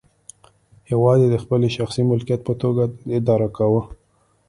هېواد یې د خپل شخصي ملکیت په توګه اداره کاوه.